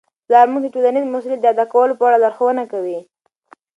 پلار موږ ته د ټولنیز مسؤلیت د ادا کولو په اړه لارښوونه کوي.